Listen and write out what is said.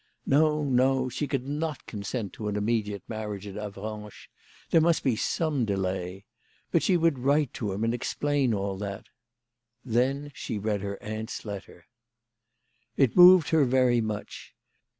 No, no ; she could not consent to an immediate mar riage at Avranches. There must be some delay. But she would write to him and explain all that. Then she read her aunt's letter. It moved her very much.